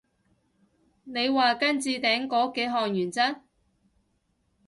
你話跟置頂嗰幾項原則？